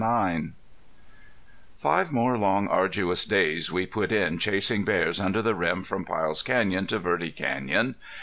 VIII Five more long arduous days we put in chasing bears under the rim from Pyle's Canyon to Verde Canyon.